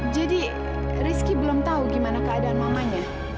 jadi rizky belum tahu gimana keadaan mamanya